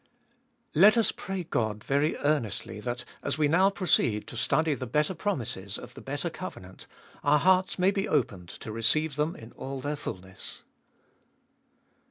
1. Let us pray God very earnestly that as we now proceed to study the better promises of the better covenant, our hearts may be opened to receive them in all their fulness.